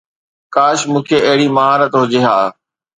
ڪاش مون کي اهڙي مهارت هجي ها